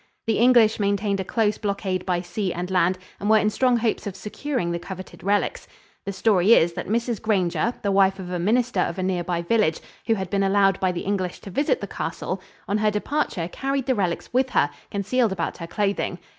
The English maintained a close blockade by sea and land and were in strong hopes of securing the coveted relics. The story is that Mrs. Granger, the wife of a minister of a nearby village, who had been allowed by the English to visit the castle, on her departure carried the relics with her, concealed about her clothing.